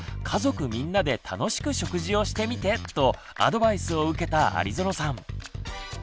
「家族みんなで楽しく食事をしてみて！」とアドバイスを受けた有園さん。